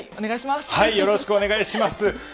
よろしくお願いします